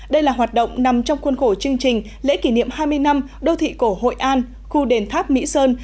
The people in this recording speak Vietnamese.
đây là hoạt động nằm trong khuôn khổ chương trình lễ kỷ niệm hai mươi năm đô thị cổ hội an khu đền tháp mỹ sơn